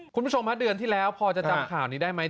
คุณผู้ชมฮะเดือนที่แล้วพอจะจำข่าวนี้ได้ไหม